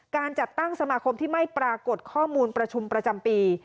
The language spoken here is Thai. การจัดตั้งสมาคมที่ไม่ปรากฏข้อมูลประชุมประจำปี